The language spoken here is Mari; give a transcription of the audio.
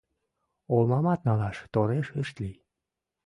Олмамат налаш тореш ышт лий.